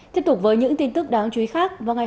tiếp tục với những tin tức đáng chú ý khác